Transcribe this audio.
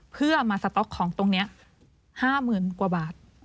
เพื่อมาสต๊อกของตรงนี้๕๐๐๐กว่าบาท